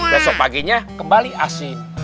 besok paginya kembali asin